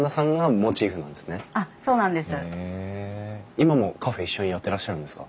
今もカフェ一緒にやってらっしゃるんですか？